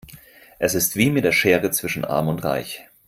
Es ist wie mit der Schere zwischen arm und reich.